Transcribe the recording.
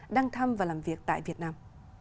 đang thăm và làm việc tại việt nam